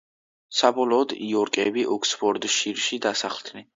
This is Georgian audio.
საბოლოოდ, იორკები ოქსფორდშირში დასახლდნენ.